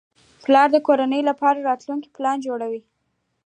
پلار د کورنۍ لپاره د راتلونکي پلان جوړوي